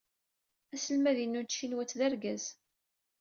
Aselmad-inu n tcinwat d argaz.